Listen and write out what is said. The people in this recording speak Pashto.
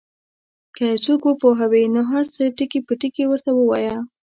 که یو څوک وپوهوې نو هر څه ټکي په ټکي ورته ووایه.